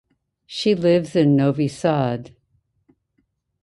She lives in Novi Sad.